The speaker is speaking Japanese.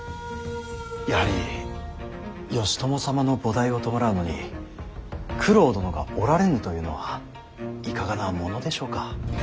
やはり義朝様の菩提を弔うのに九郎殿がおられぬというのはいかがなものでしょうか。